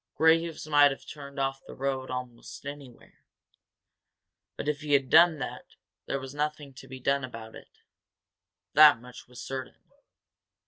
Graves might have turned off the road almost anywhere. But if he had done that, there was nothing to be done about it, that much was certain.